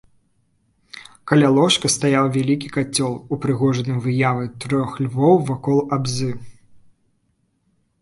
Каля ложка стаяў вялікі кацёл, упрыгожаны выявай трох львоў вакол абзы.